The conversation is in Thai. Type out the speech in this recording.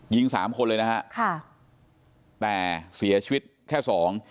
สามคนเลยนะฮะค่ะแต่เสียชีวิตแค่สอง